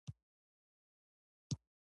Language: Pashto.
داوود خان هوتک سوړ اسويلی وايست.